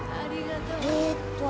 えーっと。